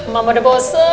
mama udah bosen